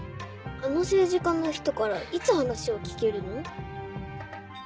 あの政治家の人からいつ話を聞けるの？